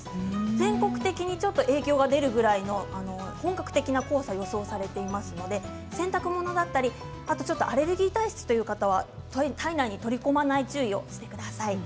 全国的にちょっと影響が出るぐらいの本格的な黄砂が予想されておりますので、洗濯物だったりアレルギー体質という方は体内に取り込まないよう注意をしてください。